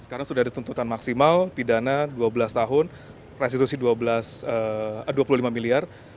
sekarang sudah ada tuntutan maksimal pidana dua belas tahun restitusi dua puluh lima miliar